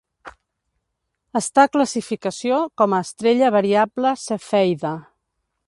Està classificació com a estrella variable cefeida.